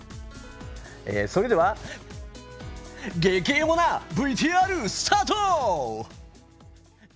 それでは激エモなＶＴＲスタート！